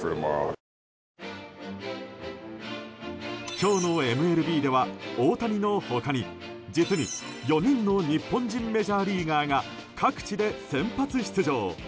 今日のＭＬＢでは大谷の他に実に４人の日本人メジャーリーガーが各地で先発出場。